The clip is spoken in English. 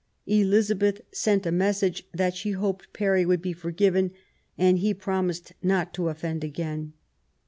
Elizabeth sent a message that she hoped Parry would be forgiven; and he promised not to offend again.